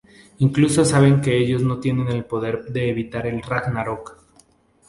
Incluso saben que ellos no tienen el poder de evitar el Ragnarök.